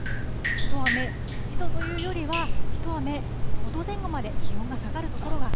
一雨一度というよりは、一雨五度前後まで気温が下がる所が。